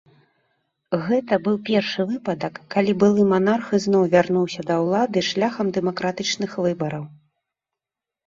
Гэта быў першы выпадак, калі былы манарх ізноў вярнуўся да ўлады шляхам дэмакратычных выбараў.